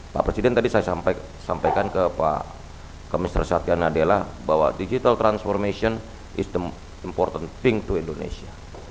pak presiden tadi saya sampaikan ke pak kemister satya nadela bahwa digital transformation is theme important thing to indonesia